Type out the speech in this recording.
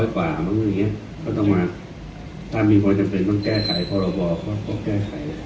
๒๔๐๐กว่าบางอย่างเงี้ยก็ต้องมาถ้ามีความจำเป็นต้องแก้ไขพอเราบอกก็แก้ไข